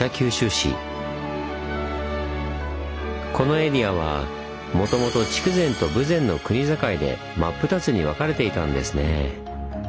このエリアはもともと筑前と豊前の国境で真っ二つに分かれていたんですねぇ。